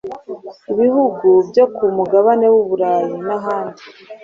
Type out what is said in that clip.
ibihugu byo ku mugabane w’u Burayi n’ahandi